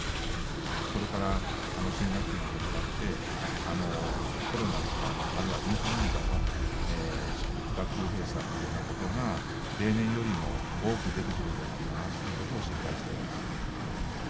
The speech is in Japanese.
これから新学期が始まって、コロナとかあるいはインフルエンザも、学級閉鎖っていうようなことが、例年よりも多く出てくるんじゃないかなということを心配しています。